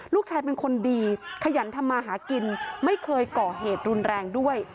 ลูกชายเป็นคนดีขยันทำมาหากินไม่เคยก่อเหตุรุนแรงด้วย